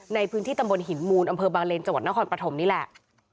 ในพื้นที่ตำบลหินมูลอำเภอบางเลนจังหวัดนครปฐมนี่แหละ